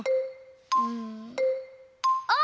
うんあっ！